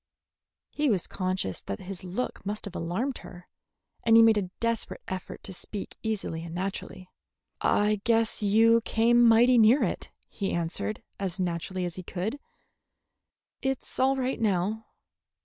He was conscious that his look must have alarmed her, and he made a desperate effort to speak easily and naturally. "I guess you came mighty near it," he answered, as naturally as he could. "It's all right now."